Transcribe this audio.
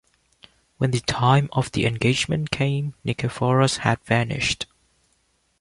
When the time of the engagement came, Nikephoros had vanished.